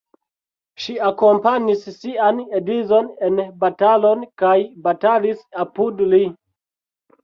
Ŝi akompanis sian edzon en batalon kaj batalis apud li.